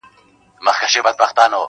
• سکون مي ستا په غېږه کي شفا دي اننګو کي,